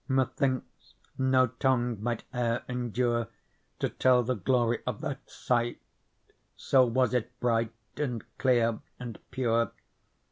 Methinks no tongue might e'er endure To tell the glory of that sight, So was it bright and clear and pure.